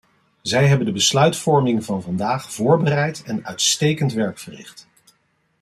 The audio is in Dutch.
Zij hebben de besluitvorming van vandaag voorbereid en uitstekend werk verricht.